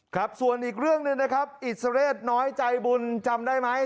ครับส่วนอีกเรื่องหนึ่งนะครับอิสเรศน้อยใจบุญจำได้ไหม